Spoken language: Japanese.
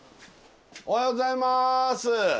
おはようございます！